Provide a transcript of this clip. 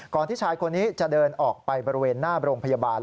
ที่ชายคนนี้จะเดินออกไปบริเวณหน้าโรงพยาบาล